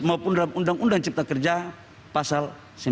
maupun dalam undang undang cipta kerja pasal sembilan puluh